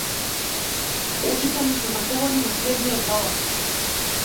Очите му се заковани за следниот залак.